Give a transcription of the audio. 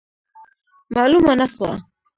معلومه نه سوه.